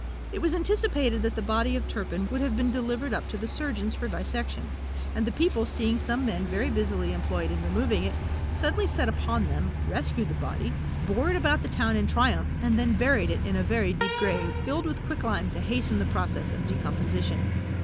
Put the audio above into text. It was anticipated that the body of Turpin would have been delivered up to the surgeons for dissection; and the people seeing some men very busily employed in removing it, suddenly set upon them, rescued the body, bore it about the town in triumph, and then buried it in a very deep grave, filled with quicklime, to hasten the progress of decomposition.